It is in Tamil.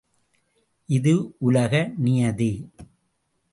இது உலக நியதி!